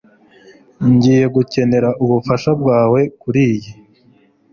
ngiye gukenera ubufasha bwawe kuriyi